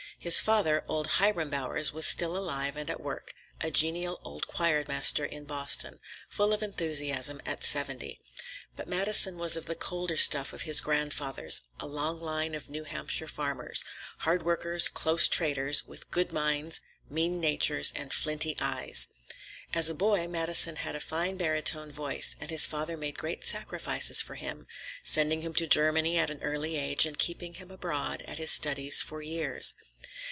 His father, old Hiram Bowers, was still alive and at work, a genial old choirmaster in Boston, full of enthusiasm at seventy. But Madison was of the colder stuff of his grandfathers, a long line of New Hampshire farmers; hard workers, close traders, with good minds, mean natures, and flinty eyes. As a boy Madison had a fine barytone voice, and his father made great sacrifices for him, sending him to Germany at an early age and keeping him abroad at his studies for years.